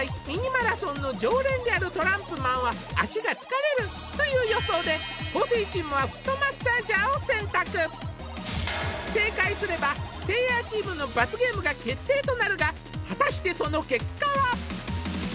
ミニマラソンの常連であるトランプマンは足が疲れるという予想で昴生チームはフットマッサージャーを選択正解すればせいやチームの罰ゲームが決定となるが果たしてその結果は？